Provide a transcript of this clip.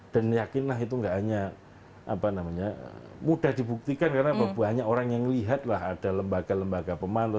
dan yakinlah itu gak hanya apa namanya mudah dibuktikan karena banyak orang yang melihat lah ada lembaga lembaga pemantau